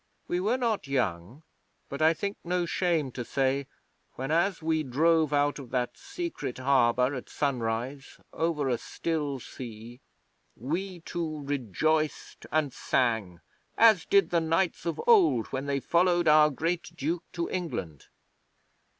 We were not young, but I think no shame to say whenas we drove out of that secret harbour at sunrise over a still sea, we two rejoiced and sang as did the knights of old when they followed our great Duke to England.